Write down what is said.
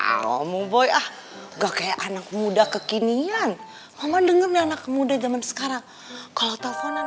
kamu boy ah gak kayak anak muda kekinian mama denger anak muda zaman sekarang kalau teleponan